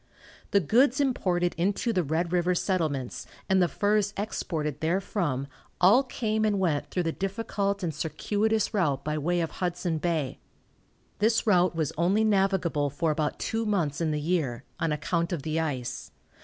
The goods imported into the Red river settlements and the furs exported therefrom all came and went through the difficult and circuitous route by way of Hudson Bay. This route was only navigable for about two months in the year, on account of the ice.